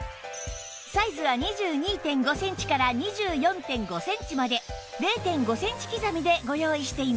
サイズは ２２．５ センチから ２４．５ センチまで ０．５ センチ刻みでご用意しています